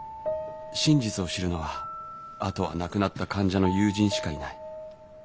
真実を知るのはあとは亡くなった患者の友人しかいない。